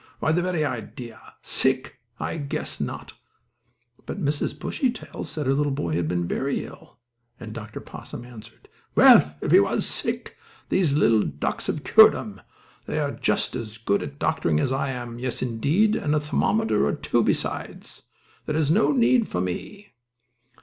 Why, the very idea! Sick? I guess not!" But Mrs. Bushytail said her little boy had been very ill, and Dr. Possum answered: "Well, if he was sick, these little ducks have cured him. They are just as good at doctoring as I am; yes, indeed; and a thermometer or two besides. There is no need for me."